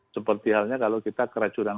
seperti halnya kalau kita keracunan